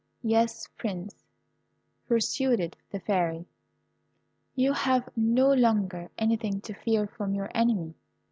Yes, Prince," pursued the Fairy, "you have no longer anything to fear from your enemy.